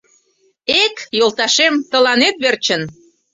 Эк, йолташем, тыланет верчын